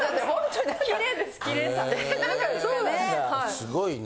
すごいね。